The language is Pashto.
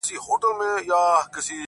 تا ويل پاتېږمه، خو ته راسره ښه پاته سوې~